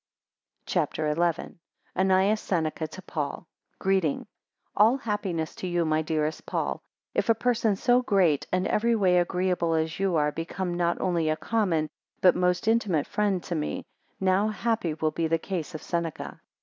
CHAPTER XI. ANNAEUS SENECA to PAUL Greeting. ALL happiness to you, my dearest Paul. 2 If a person so great, and every way agreeable as you are, become not only a common, but a most intimate friend to me, how happy will be the case of Seneca!